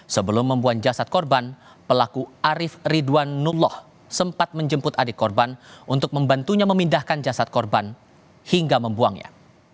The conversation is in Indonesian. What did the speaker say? sebelum membuang jasad korban pelaku arief ridwan nulloh sempat menjemput adik korban untuk membantunya memindahkan jasad korban hingga membuangnya